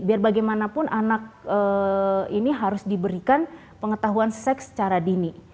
biar bagaimanapun anak ini harus diberikan pengetahuan seks secara dini